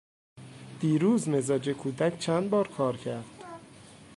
دیروز مزاج کودک چند بار کار کرد؟